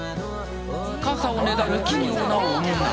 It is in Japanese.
［傘をねだる奇妙な女］